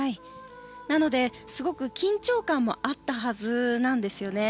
なので、すごく緊張感もあったはずなんですよね。